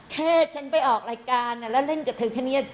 แค่ฉันไปออกรายการแล้วเล่นกับเธอแค่นี้